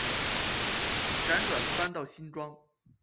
辗转搬到新庄